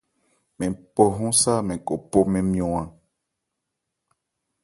Mɛn pɔ hɔ́n sá mɛn khɔ̀ pɔ mɛn nmyɔn.